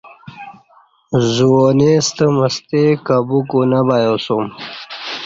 زُوانی ستہ مستی قابو کوں نہ بیاسوم